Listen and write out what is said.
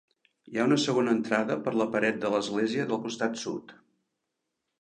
Hi ha una segona entrada per la paret de l'església del costat sud.